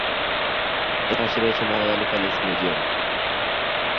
এর পাশেই রয়েছে মোহাম্মদ আলী প্যালেস মিউজিয়াম।